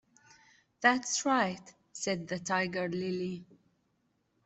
‘That’s right!’ said the Tiger-lily.